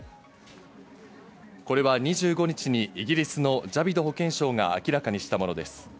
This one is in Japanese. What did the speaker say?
これは２５日にイギリスのジャビド保健相が明らかにしたものです。